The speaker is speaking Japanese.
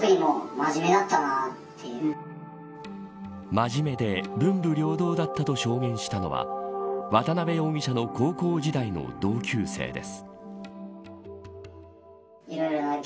真面目で文武両道だったと証言したのは渡辺容疑者の高校時代の同級生です。